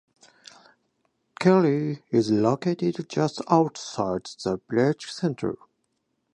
Kelly is located just outside the village centre.